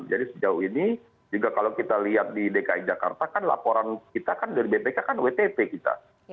jadi sejauh ini juga kalau kita lihat di dki jakarta kan laporan kita kan dari bpk kan wtp kita